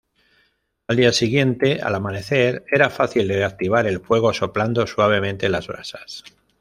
Al día siguiente, al amanecer era fácil reactivar el fuego soplando suavemente las brasas.